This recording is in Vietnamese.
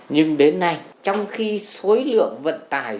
nhưng đến nay trong khi số lượng vận tải